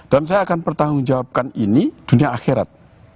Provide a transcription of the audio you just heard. dan saya akan bertanggung jawabkan ini dunia akhirat